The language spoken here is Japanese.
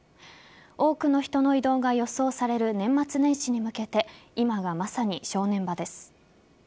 多くの人の移動が予想される年末年始に向けて今がまさに正念場です。